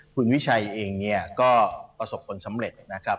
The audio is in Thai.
คุณวิชัยเองเนี่ยก็ประสบผลสำเร็จนะครับ